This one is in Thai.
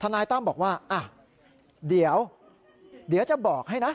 นายตั้มบอกว่าเดี๋ยวจะบอกให้นะ